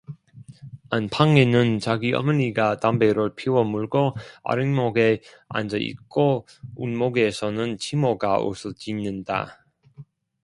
안방에는 자기 어머니가 담배를 피워 물고 아랫목에 앉아 있고 웃목에서는 침모가 옷을 짓는다.